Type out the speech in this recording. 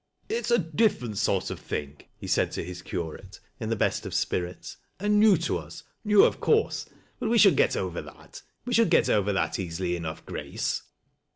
" It is a different sort of thing," he said to his curate, in the best of spirits, " and new to us — new of course ; but we shall get over that — we shall get over that easily enough, Grace."